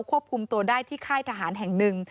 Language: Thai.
ควบคุมตัวได้ที่ค่ายทหารแห่งหนึ่ง